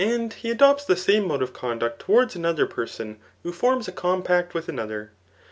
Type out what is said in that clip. ITS he adopts the same mode of conduct towards anodier person who forms a compact with another.